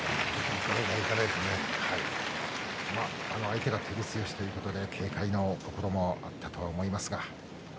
相手が照強ということで警戒もあったと思います。